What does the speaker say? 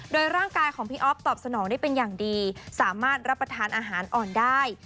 โดยร่างกายของพี่อ๊อฟตอบสนองได้เป็นอย่างดีสามารถรับประทานอาหารอ่อนได้